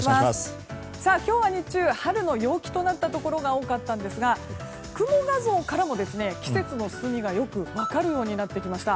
今日は日中春の陽気となったところが多かったんですが雲画像からも季節の進みがよく分かるようになってきました。